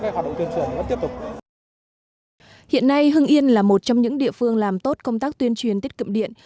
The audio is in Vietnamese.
hương yên là một trong những địa phương làm tốt công tác tuyên truyền tiết kiệm điện